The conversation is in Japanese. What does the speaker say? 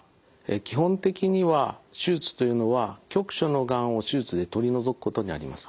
基本的には手術というのは局所のがんを手術で取り除くことにあります。